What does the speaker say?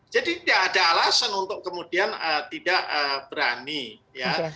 jadi tidak ada alasan untuk kemudian tidak berani ya